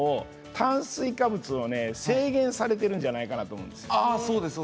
炭水化物を制限されているんじゃないかとそうです。